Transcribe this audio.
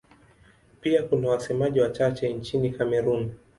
Pia kuna wasemaji wachache nchini Kamerun.